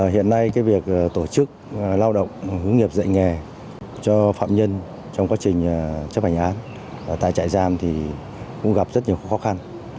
hiện nay việc tổ chức lao động hướng nghiệp dạy nghề cho phạm nhân trong quá trình chấp hành án tại trại giam thì cũng gặp rất nhiều khó khăn